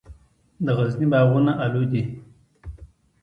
د غزني باغونه الو دي